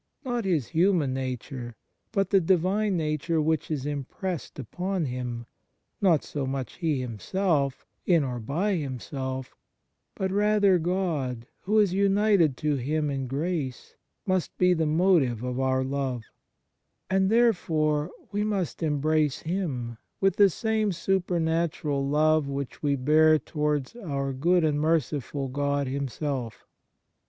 Not his human nature, but the Divine nature which is impressed upon him not so much he himself, in or by himself, but rather God who is united to him in grace, must be the motive of our love; and therefore we must embrace him with the same supernatural love which we bear towards our good and merciful God Him self.